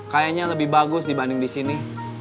kayaknya lebih bagus dibanding di sini